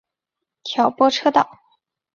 调拨车道。